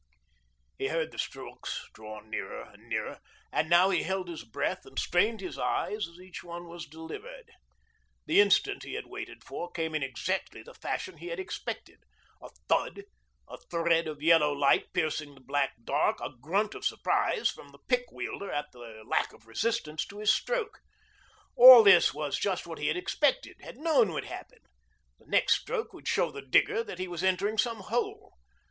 He heard the strokes draw nearer and nearer, and now he held his breath and strained his eyes as each one was delivered. The instant he had waited for came in exactly the fashion he had expected a thud, a thread of yellow light piercing the black dark, a grunt of surprise from the pick wielder at the lack of resistance to his stroke. All this was just what he had expected, had known would happen. The next stroke would show the digger that he was entering some hole.